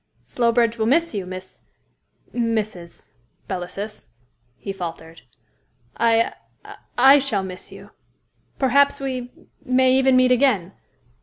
"Slowbridge will miss you, Miss Mrs. Belasys," he faltered. "I I shall miss you. Perhaps we may even meet again.